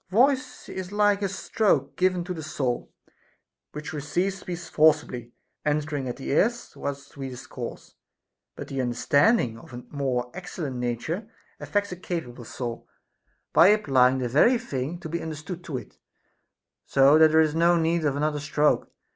Voice is like a stroke given to the soul, which receives speech forcibly entering at the ears whilst we discourse ; but the understanding of a more excellent nature affects a capable soul, by applying the very thine to be understood to it, so that there is no need of another stroke.